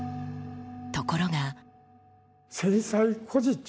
ところが。